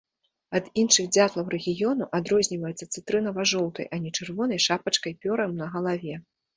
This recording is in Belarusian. Ад іншых дзятлаў рэгіёну адрозніваецца цытрынава-жоўтай, а не чырвонай шапачкай пёраў на галаве.